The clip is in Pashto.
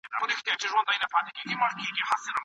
کېږي.